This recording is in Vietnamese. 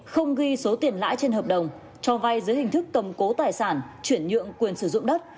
không ghi số tiền lãi trên hợp đồng cho vai dưới hình thức cầm cố tài sản chuyển nhượng quyền sử dụng đất